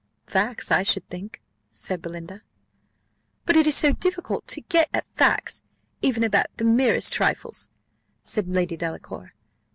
"Facts, I should think," said Belinda. "But it is so difficult to get at facts, even about the merest trifles," said Lady Delacour.